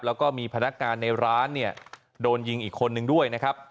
แล้วก็มีพนักงานในร้านเนี่ยโดนยิงอีกคนนึงด้วยนะครับ